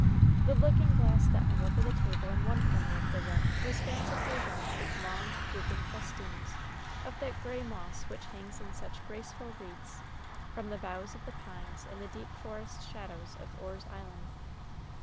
The looking glass that hung over the table in one corner of the room was fancifully webbed with long, drooping festoons of that gray moss which hangs in such graceful wreaths from the boughs of the pines in the deep forest shadows of Orr's Island.